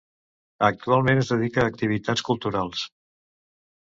Actualment es dedica a activitats culturals.